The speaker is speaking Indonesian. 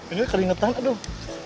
ini keringetan aduh